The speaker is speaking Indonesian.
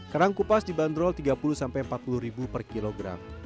kerang kupas dibanderol rp tiga puluh empat puluh ribu per kilogram